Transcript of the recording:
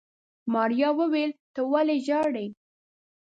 ماريا وويل ته ولې ژاړې.